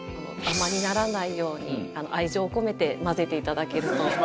ダマにならないように愛情込めて混ぜていただけると。